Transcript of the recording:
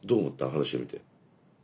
話してみて。